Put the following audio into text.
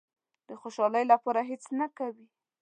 د خوشالۍ لپاره هېڅ نه کوي.